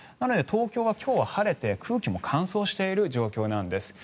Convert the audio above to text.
なので東京は今日は晴れて空気も乾燥している状況なんです。